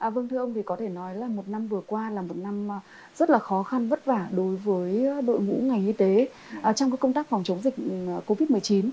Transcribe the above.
vâng thưa ông thì có thể nói là một năm vừa qua là một năm rất là khó khăn vất vả đối với đội ngũ ngành y tế trong công tác phòng chống dịch covid một mươi chín